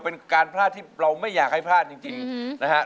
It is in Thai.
เป็นการพลาดที่เราไม่อยากให้พลาดจริงนะฮะ